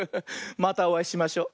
またおあいしましょ。